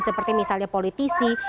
seperti misalnya politisi